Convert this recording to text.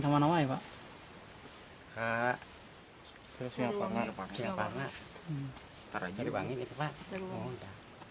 taruh aja di bangun gitu pak